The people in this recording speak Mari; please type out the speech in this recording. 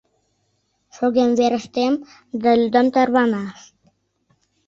Шогем верыштем да лӱдам тарванаш.